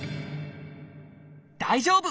大丈夫！